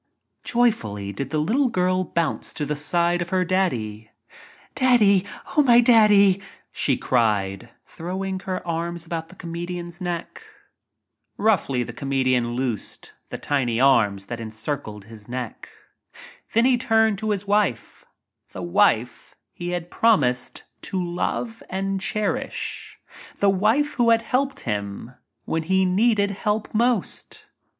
Joyfully did the little girl bounce to the side of her "Daddy. Daddy ! Oh, my Daddy !" she cried, throwing her arms about the comedian's neck. Roughly the comedian loosed the tiny arms that encircled his neck. Then he turned to his wife— *■ the wife he had promised to love and cherish — the wife who had helped him when he needed help most.